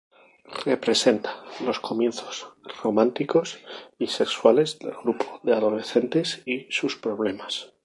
Representa los comienzos románticos y sexuales del grupo de adolescentes y sus problemas.